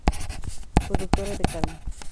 Productora de carne.